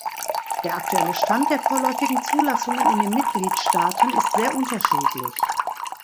Der aktuelle Stand der vorläufigen Zulassungen in den Mitgliedstaaten ist sehr unterschiedlich.